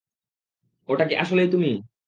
ওটা কি আসলেই তুমি?